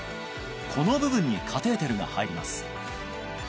この部分にカテーテルが入ります